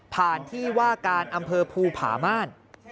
ที่ว่าการอำเภอภูผาม่าน